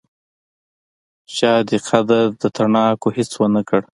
چا دې قدر د تڼاکو هیڅ ونکړ